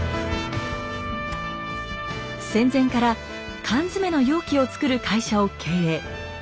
戦前から缶詰の容器を作る会社を経営。